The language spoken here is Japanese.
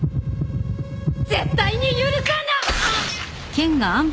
絶対に許さな。